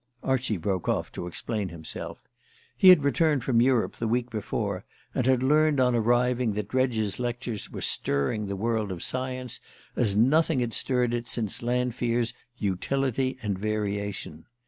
Archie broke off to explain himself. He had returned from Europe the week before, and had learned on arriving that Dredge's lectures were stirring the world of science as nothing had stirred it since Lanfear's "Utility and Variation."